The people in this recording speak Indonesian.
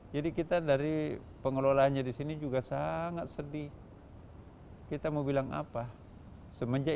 pada saat ini para pengurus kini hanya berharap jamaah bisa bersabar sambil menantikan pandemi usai